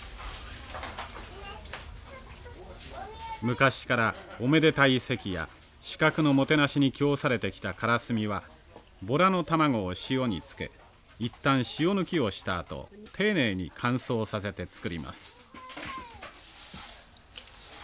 昔からおめでたい席や酒客のもてなしに供されてきたからすみはぼらの卵を塩に漬け一旦塩抜きをしたあと丁寧に乾燥させて作ります。